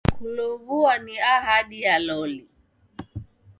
Kulow'ua ni ahadi ya loli.